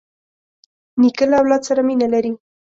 نیکه له اولاد سره مینه لري.